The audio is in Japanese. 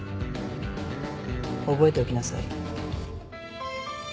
覚えておきなさい。